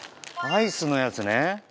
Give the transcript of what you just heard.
アイスのやつね。